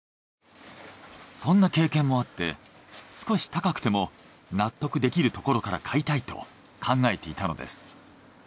そんな経験もあって少し高くても納得できるところから買いたいと考えていたのです。